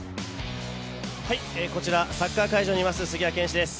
こちらサッカー会場にいます杉谷拳士です。